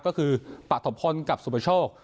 ก็คือปะถมพลกับสุปชก